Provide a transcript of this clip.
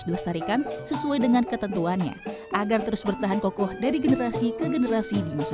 dilestarikan sesuai dengan ketentuannya agar terus bertahan kokoh dari generasi ke generasi di masa